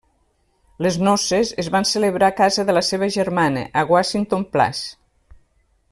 Les noces es van celebrar a casa de la seva germana, a Washington Place.